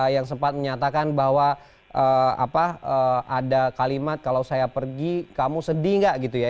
yang sempat menyatakan bahwa ada kalimat kalau saya pergi kamu sedih nggak gitu ya